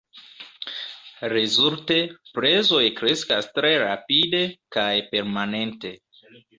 Rezulte, prezoj kreskas tre rapide kaj permanente.